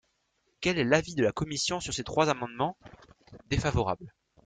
Quel est l’avis de la commission sur ces trois amendements ? Défavorable.